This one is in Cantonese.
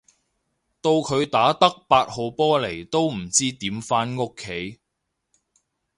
到佢打得八號波嚟都唔知點返屋企